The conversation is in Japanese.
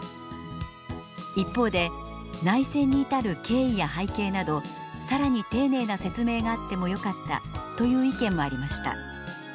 一方で「内戦に至る経緯や背景など更に丁寧な説明があってもよかった」という意見もありました。